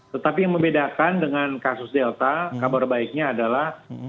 tetapi yang membedakan dengan kasus delta kabar baiknya adalah